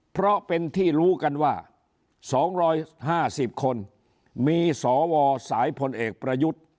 เพราะเป็นที่รู้กันว่า๒๕๐คนมีสวสายพลเอกประยุทธ์